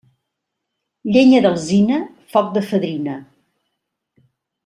Llenya d'alzina, foc de fadrina.